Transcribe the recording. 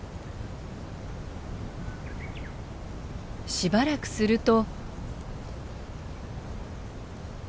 しばらくすると。